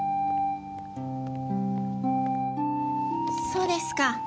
そうですか。